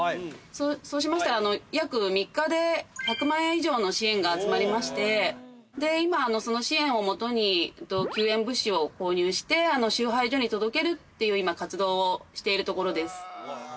そうしましたら約３日で１００万円以上の支援が集まりましてで今その支援をもとに救援物資を購入して集配所に届けるっていう今活動をしているところです